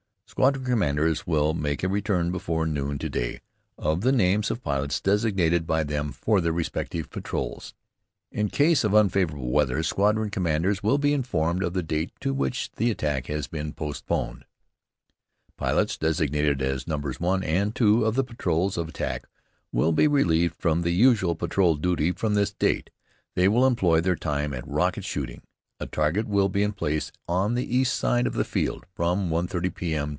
Squadron commanders will make a return before noon to day, of the names of pilots designated by them for their respective patrols. In case of unfavorable weather, squadron commanders will be informed of the date to which the attack has been postponed. Pilots designated as numbers 1 and 2 of the patrols of attack will be relieved from the usual patrol duty from this date. They will employ their time at rocket shooting. A target will be in place on the east side of the field from 1.30 P.M.